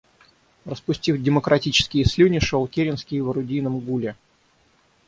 Распустив демократические слюни, шел Керенский в орудийном гуле.